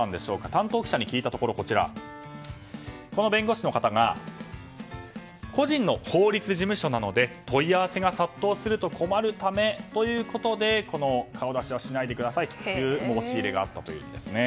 担当記者に聞いたところこの弁護士の方が個人の法律事務所なので問い合わせが殺到すると困るためということでこの顔出しはしないでくださいという申し入れがあったと。